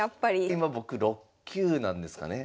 今僕６級なんですかね。